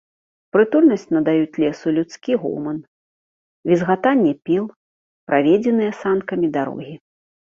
Прытульнасць надаюць лесу людскі гоман, візгатанне піл, праведзеныя санкамі дарогі.